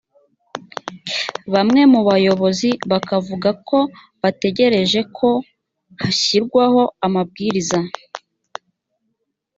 bamwe mu bayobozi bakavuga ko bategereje ko hashyirwaho amabwiriza